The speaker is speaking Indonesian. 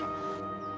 nggak pernah baik